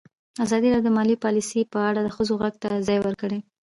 ازادي راډیو د مالي پالیسي په اړه د ښځو غږ ته ځای ورکړی.